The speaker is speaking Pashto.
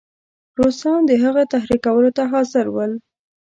روسان د هغه تحریکولو ته حاضر ول.